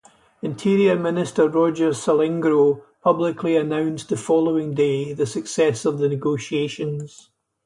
Interior Minister Roger Salengro publicly announced the following day the success of the negotiations.